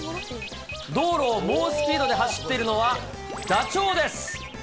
道路を猛スピードで走っているのは、ダチョウです。